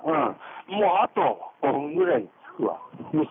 もう、あと５分ぐらいで着くわ。